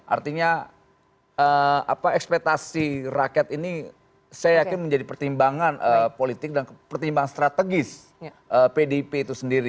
artinya apa ekspektasi rakyat ini saya yakin menjadi pertimbangan politik dan pertimbangan strategis pdip itu sendiri